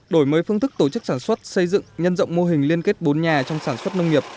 đổi mới phương thức tổ chức sản xuất xây dựng nhân rộng mô hình liên kết bốn nhà trong sản xuất nông nghiệp